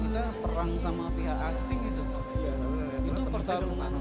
kita perang sama pihak asing itu itu pertarungan